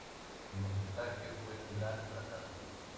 El montaje fue un gran fracaso.